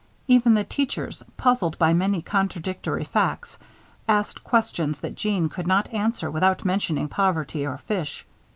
Even the teachers, puzzled by many contradictory facts, asked questions that Jeanne could not answer without mentioning poverty or fish.